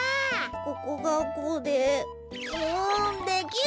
ここがこうでううできない！